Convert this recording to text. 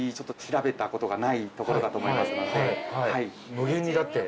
無限にだって。